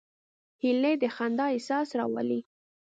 هیلۍ د خندا احساس راولي